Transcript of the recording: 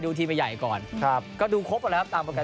ดูทีมใหม่ใหญ่ก่อนก็ดูครบขวัดแล้วครับ